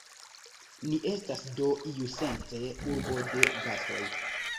Ni estas, do, iusence urbo de gastoj.